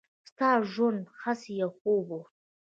«ستا ژوندون هسې یو خوب و.»